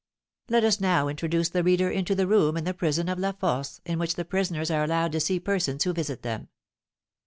Let us now introduce the reader into the room in the prison of La Force in which the prisoners are allowed to see persons who visit them.